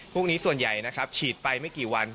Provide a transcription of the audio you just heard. พวกนี้ส่วนใหญ่นะครับฉีดไปไม่กี่วัน